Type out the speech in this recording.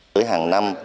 tới hàng năm